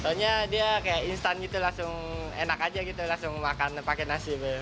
soalnya dia kayak instan gitu langsung enak aja gitu langsung makan pakai nasi